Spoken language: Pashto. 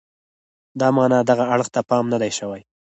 د معنا دغه اړخ ته پام نه دی شوی.